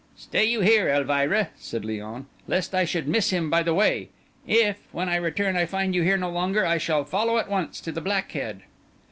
"Stay you here, Elvira," said Léon, "lest I should miss him by the way. If, when I return, I find you here no longer, I shall follow at once to the Black Head."